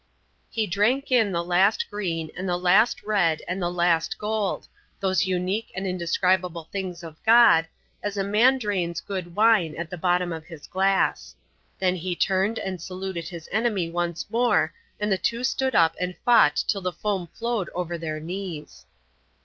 He drank in the last green and the last red and the last gold, those unique and indescribable things of God, as a man drains good wine at the bottom of his glass. Then he turned and saluted his enemy once more, and the two stood up and fought till the foam flowed over their knees.